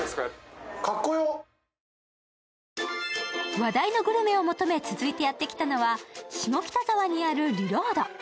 話題のグルメを求め、続いてやってきたのは下北沢にあるｒｅｌｏａｄ。